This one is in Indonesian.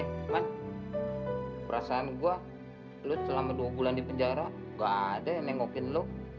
eh pak maman perasaan gua lu selama dua bulan di penjara ga ada yang nengokin lu